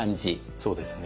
そうですね。